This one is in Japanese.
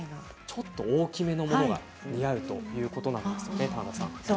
ちょっと大きめのものが似合うということですね。